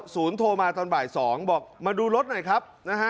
ศูนย์โทรมาตอนบ่าย๒บอกมาดูรถหน่อยครับ